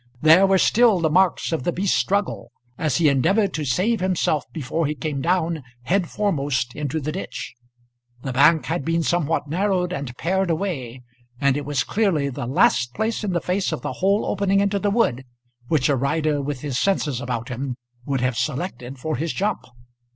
There were still the marks of the beast's struggle, as he endeavoured to save himself before he came down, head foremost, into the ditch. The bank had been somewhat narrowed and pared away, and it was clearly the last place in the face of the whole opening into the wood, which a rider with his senses about him would have selected for his jump.